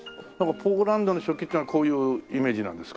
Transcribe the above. ポーランドの食器っていうのはこういうイメージなんですか？